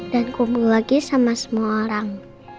dan kumpul lagi sama semua orang